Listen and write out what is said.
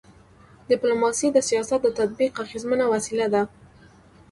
ډيپلوماسي د سیاست د تطبیق اغيزمنه وسیله ده.